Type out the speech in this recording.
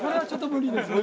無理ですか。